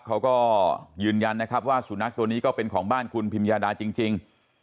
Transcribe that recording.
เขาก็ยืนยันนะครับว่าสุนัขตัวนี้ก็เป็นของบ้านคุณพิมยาดาจริง